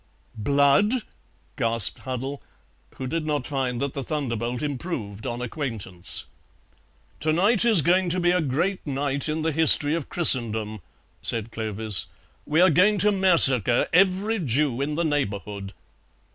"Blood!" gasped Huddle, who did not find that the thunderbolt improved on acquaintance. "To night is going to be a great night in the history of Christendom," said Clovis. "We are going to massacre every Jew in the neighbourhood."